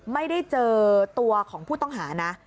ไม่ได้เจอตัวของผู้ต้องหานะ